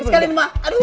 sekalin mak aduh